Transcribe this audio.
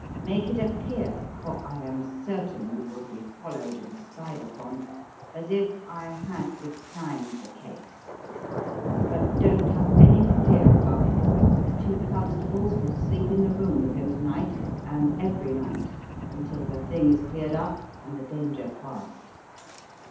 Make it appear, for I am certain you will be followed and spied upon, as if I had declined the case. But don't have any fear about the boy. The two constables will sleep in the room with him to night and every night until the thing is cleared up and the danger past.